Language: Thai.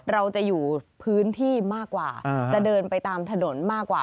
เราจะอยู่พื้นที่มากกว่าจะเดินไปตามถนนมากกว่า